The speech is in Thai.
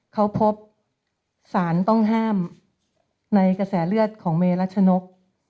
เขาพบสารต้องห้ามในกระแสเลือดของเมรัชนก